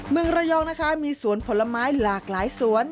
เมืองระยองนะคะมีสวนผลไม้หลากหลายสวน